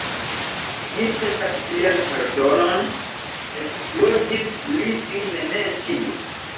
Mi petas vian pardonon, eksplodis li fine, ne ĉiu!